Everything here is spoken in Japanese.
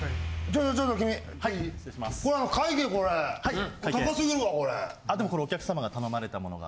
あっでもこれお客様が頼まれたものが。